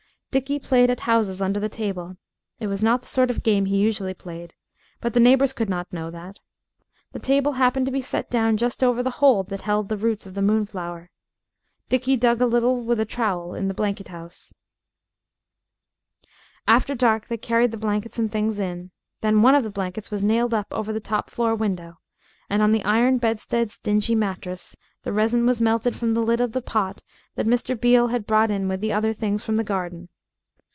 Dickie played at houses under the table it was not the sort of game he usually played, but the neighbors could not know that. The table happened to be set down just over the hole that had held the roots of the moonflower. Dickie dug a little with a trowel in the blanket house. After dark they carried the blankets and things in. Then one of the blankets was nailed up over the top floor window, and on the iron bedstead's dingy mattress the resin was melted from the lid of the pot that Mr. Beale had brought in with the other things from the garden.